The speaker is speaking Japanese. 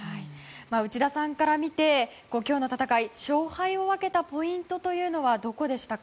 内田さんから見て今日の戦い勝敗を分けたポイントはどこでしたか？